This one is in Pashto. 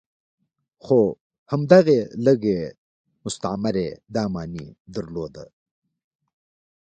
خو همدغې لږې مستمرۍ دا معنی درلوده.